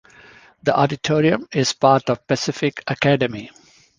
The auditorium is part of Pacific Academy.